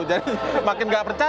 jadi makin nggak percaya